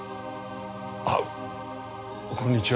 あこんにちは。